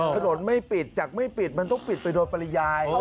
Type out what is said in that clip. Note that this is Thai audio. ถนนไม่ปิดจากไม่ปิดมันต้องปิดไปโดยปริยาย